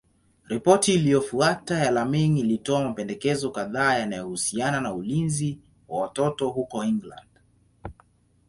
Ripoti iliyofuata ya Laming ilitoa mapendekezo kadhaa yanayohusiana na ulinzi wa watoto huko England.